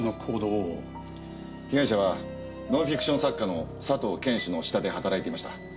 被害者はノンフィクション作家の佐藤謙氏の下で働いていました。